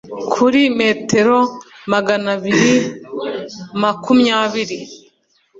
Kuri metero maganabiri makumyabiri